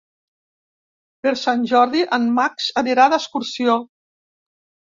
Per Sant Jordi en Max anirà d'excursió.